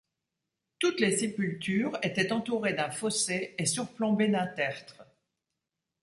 Toutes les sépultures étaient entourées d'un fossé et surplombées d'un tertre.